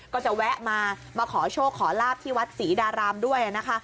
ก็จะแวะมามาขอโชคขอลาบที่วัดศรีดารามด้วยนะคะ